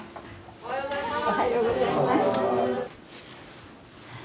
おはようございます。